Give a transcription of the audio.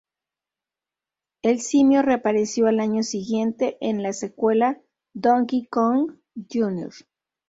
El simio reapareció al año siguiente en la secuela "Donkey Kong Jr.